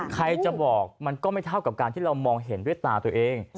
ใครจะบอกมันก็ไม่เท่ากับการที่เรามองเห็นด้วยตาตัวเอง